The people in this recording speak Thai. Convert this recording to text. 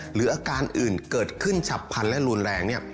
หรืออาการอื่นเกิดขึ้นฉับพันธ์และรุนแรงเนี่ย